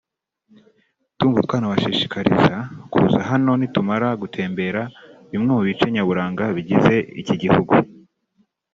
ndumva tuzabashishikariza kuza hano nitumara gutembera bimwe mu bice nyaburanga bigize iki gihugu